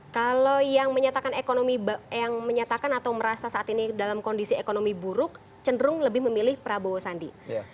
kalau yang menyatakan atau merasa saat ini dalam kondisi ekonomi buruk cenderung lebih memilih prabowo sandi